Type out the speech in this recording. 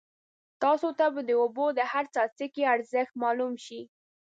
تاسو ته به د اوبو د هر څاڅکي ارزښت معلوم شي.